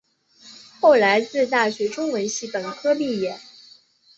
后来自大学中文系本科毕业。